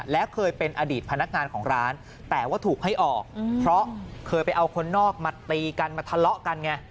และเคยเป็นอดีตพนักงานของร้านแต่ว่าถูกให้ออกเพราะเคยไปเอาคนนอกมาตีกันมาทะเลาะกันไง